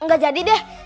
gak jadi deh